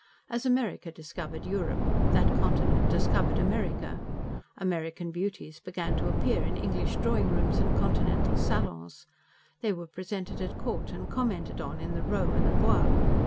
As America discovered Europe, that continent discovered America. American beauties began to appear in English drawing rooms and Continental salons. They were presented at court and commented upon in the Row and the Bois.